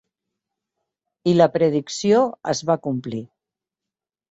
I la predicció es va complir.